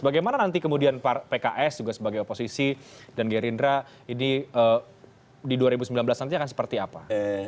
bagaimana nanti kemudian pks juga sebagai oposisi dan gerindra ini di dua ribu sembilan belas nanti akan seperti apa